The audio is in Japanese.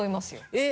えっ！？